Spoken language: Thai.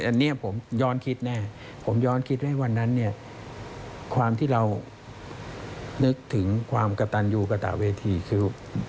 อันนี้ผมย้อนคิดแน่ผมย้อนคิดไว้วันนั้นเนี่ยความที่เรานึกถึงความกระตันยูกระตะเวทีคือ